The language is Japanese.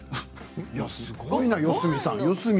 すごいな四角さん。